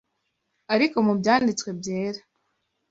Ariko mu Byanditswe Byera